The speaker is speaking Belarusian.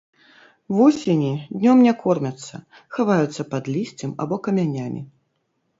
Вусені днём не кормяцца, хаваюцца пад лісцем або камянямі.